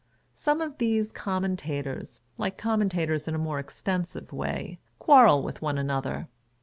Some of these commentators, like commentators in a more extensive way, quarrel with one another.